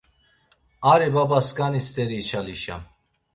Ari babaskani steri içalişam.